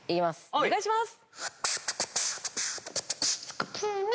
お願いします！